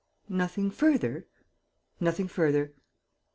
"Nothing further?" "Nothing further."